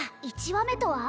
１話目とは？